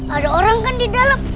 ada orang kan di dalam